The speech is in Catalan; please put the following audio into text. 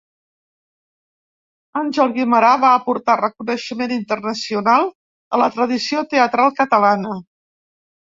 Àngel Guimerà va aportar reconeixement internacional a la tradició teatral catalana.